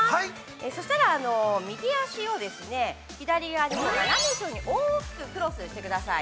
そうしたら、右足を左側、斜め後ろに大きくクロスしてください。